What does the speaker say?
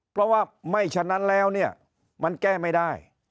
เพราะว่าไม่ฉะนั้นแล้วเนี่ยมันแก้ไม่ได้